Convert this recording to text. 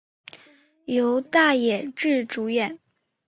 由大野智主演。